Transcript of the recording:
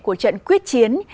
của trận quyết chiến